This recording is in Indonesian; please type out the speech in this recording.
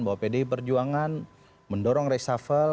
bahwa pdi perjuangan mendorong reshuffle